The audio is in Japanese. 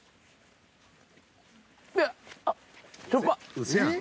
ウソやん！